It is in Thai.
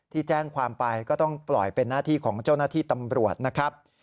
ที่แจ้งความไปก็ต้องปล่อยเป็นหน้าที่ของเจ้าหน้าที่ตำรวจนะครับ